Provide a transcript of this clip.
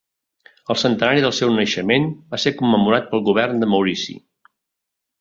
El centenari del seu naixement va ser commemorat pel Govern de Maurici.